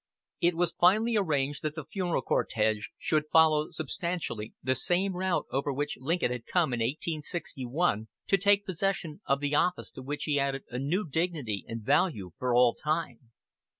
It was finally arranged that the funeral cortege should follow substantially the same route over which Lincoln had come in 1861 to take possession of the office to which he added a new dignity and value for all time.